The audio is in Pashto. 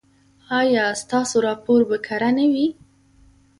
ایا ستاسو راپور به کره نه وي؟